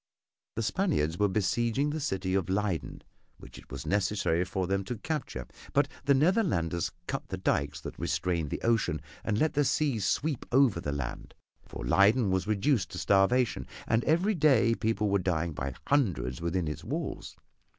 The Spaniards were besieging the city of Leyden, which it was necessary for them to capture, but the Netherlanders cut the dykes that restrained the ocean and let the sea sweep over the land, for Leyden was reduced to starvation, and every day people were dying by hundreds within its walls.